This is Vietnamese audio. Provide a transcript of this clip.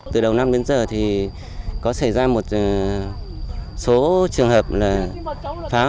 từ đầu năm đến giờ thì có xảy ra một số trường hợp là phá hoại